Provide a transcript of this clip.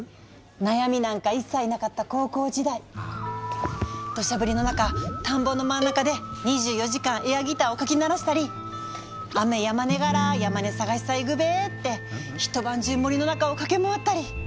悩みなんか一切なかった高校時代どしゃ降りの中田んぼの真ん中で２４時間エアギターをかき鳴らしたり「雨やまねがらヤマネ探しさ行ぐべ」って一晩中森の中を駆け回ったり。